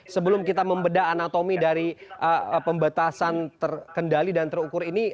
sebelum kita membeda anatomi dari pembatasan terkendali dan terukur ini